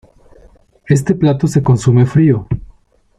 Este plato se consume frío.